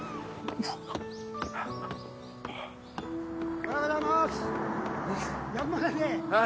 おはようございますああ